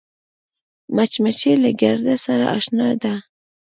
مچمچۍ له ګرده سره اشنا ده